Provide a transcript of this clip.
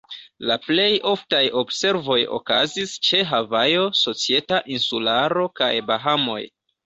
La plej oftaj observoj okazis ĉe Havajo, Societa Insularo, kaj Bahamoj.